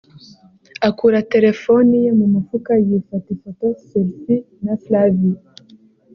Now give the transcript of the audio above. akura telefoni ye mu mufuka yifata ifoto (Selfie) na Flavia